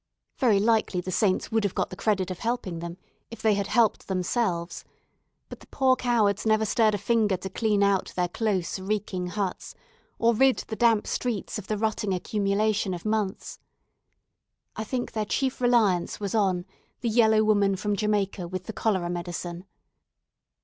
Very likely the saints would have got the credit of helping them if they had helped themselves; but the poor cowards never stirred a finger to clean out their close, reeking huts, or rid the damp streets of the rotting accumulation of months. I think their chief reliance was on "the yellow woman from Jamaica with the cholera medicine."